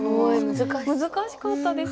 難しかったです。